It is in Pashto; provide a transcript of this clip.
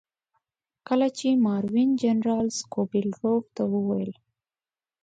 کله چې ماروین جنرال سکوبیلروف ته وویل.